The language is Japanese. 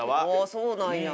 そうなんや。